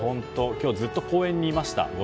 今日ずっと公園にいました。